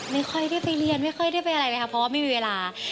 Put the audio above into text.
ไม่ค่อยได้ไปเรียนไม่ค่อยได้ไปอะไรเลยค่ะเพราะว่าไม่มีเวลา